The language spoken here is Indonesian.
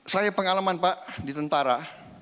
saya pengalaman pak di tentara